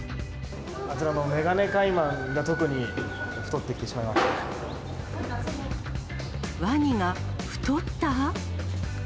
あちらのメガネカイマンが特ワニが太った？